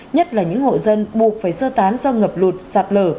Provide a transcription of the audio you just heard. nhất là những hộ dân buộc phải sơ tán do ngập lụt sạt lở